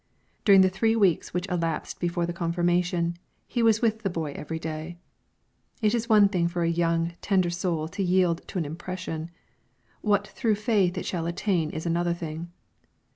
During the three weeks which elapsed before the confirmation, he was with the boy every day. It is one thing for a young, tender soul to yield to an impression; what through faith it shall attain is another thing.